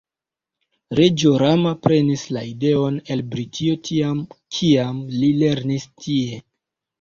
Reĝo Rama prenis la ideon el Britio tiam, kiam li lernis tie.